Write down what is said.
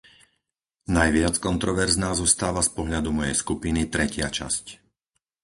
Najviac kontroverzná zostáva z pohľadu mojej skupiny tretia časť.